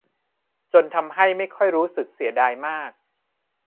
จนทำให้ไม่ค่อยรู้สึกเสียดายมาก